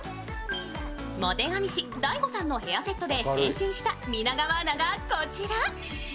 モテ髪師・大悟さんのヘアセットで変身した皆川アナがこちら。